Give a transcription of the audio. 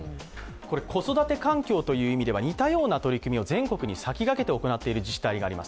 子育て環境という意味では似たような取り組みを全国に先駆けて行っている自治体があります。